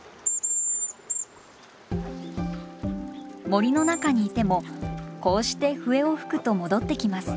森の中にいてもこうして笛を吹くと戻ってきます。